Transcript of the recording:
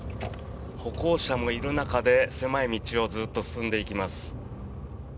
歩行者もいる中で狭い道をずっと進んでいきます。